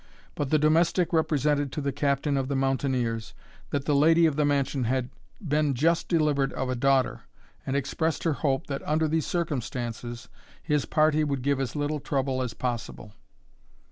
But the domestic represented to the captain of the mountaineers, that the lady of the mansion had been just delivered of a daughter, and expressed her hope, that, under these circumstances, his party would give as little trouble as possible.